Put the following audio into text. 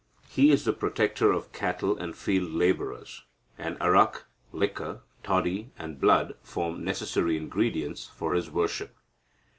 He is the protector of cattle and field labourers, and arrack (liquor), toddy, and blood, form necessary ingredients for his worship.